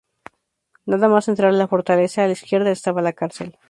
Nada más entrar a la fortaleza, a la izquierda estaba la cárcel.